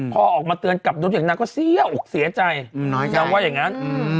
พอออกมาเตือนกับน้องเด็กนางก็เสี้ยอุ๊กเสียใจได้ว่าอย่างนั้น